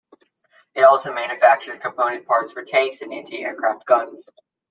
It also manufactured component parts for tanks and anti-aircraft guns.